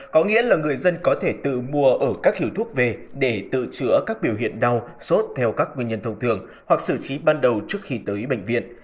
có nghĩa là người dân có thể tự mua ở các hiệu thuốc về để tự chữa các biểu hiện đau sốt theo các nguyên nhân thông thường hoặc xử trí ban đầu trước khi tới bệnh viện